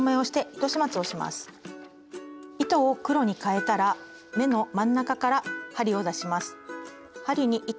糸を黒にかえたら目の真ん中から針を出します。